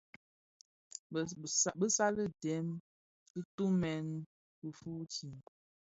Bësali dèm bëtumèn kifuuti.